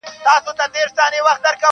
ژبه یې لمبه ده اور په زړه لري-